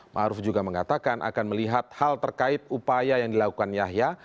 ⁇ maruf juga mengatakan akan melihat hal terkait upaya yang dilakukan yahya